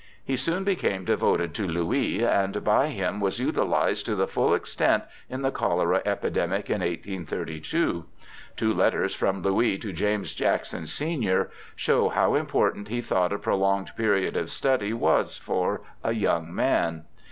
He soon became devoted to Louis, and by LOUIS 20I him was utilized to the full in the cholera epidemic in 1832. Two letters from Louis to James Jackson, sen., show how important he thought a prolonged period of study was for a young man.